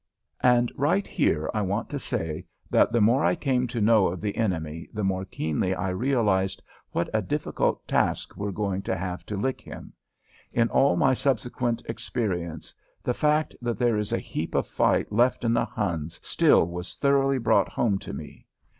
And right here I want to say that the more I came to know of the enemy the more keenly I realized what a difficult task we're going to have to lick him. In all my subsequent experience the fact that there is a heap of fight left in the Huns still was thoroughly brought home to me.